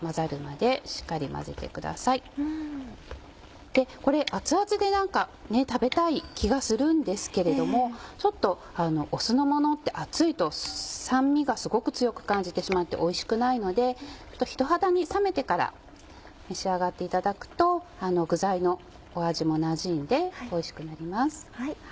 でこれ熱々で食べたい気がするんですけれどもちょっと酢の物って熱いと酸味がすごく強く感じてしまっておいしくないので人肌に冷めてから召し上がっていただくと具材の味もなじんでおいしくなります。